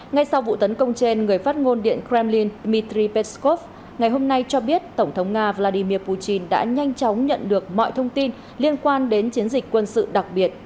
ngay sau vụ tấn công trên người phát ngôn điện kremlin dmitry peskov ngày hôm nay cho biết tổng thống nga vladimir putin đã nhanh chóng nhận được mọi thông tin liên quan đến chiến dịch quân sự đặc biệt